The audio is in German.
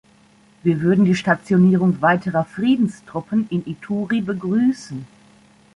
Wir würden die Stationierung weiterer Friedenstruppen in Ituri begrüßen.